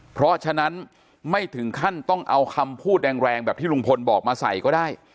เพราะฉะนั้นไม่ถึงขั้นต้องเอาคำพูดแรงแบบที่ลุงพลบอกมาใส่ก็ได้